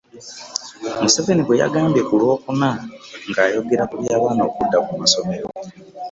Museveni bwe yagambye ku Lwokuna nga ayogera ku by'abaana okudda ku ssomero.